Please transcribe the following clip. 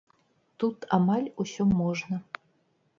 Тут амаль усё можна.